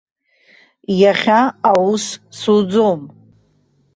Иахьа аус суӡом.